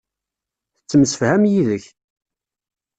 Tettemsefham yid-k.